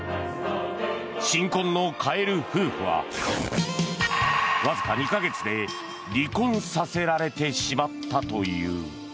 新婚のカエル夫婦はわずか２か月で離婚させられてしまったという。